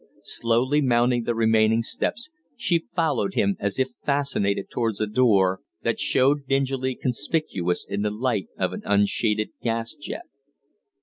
Slowly mounting the remaining steps, she followed him as if fascinated towards the door that showed dingily conspicuous in the light of an unshaded gas jet.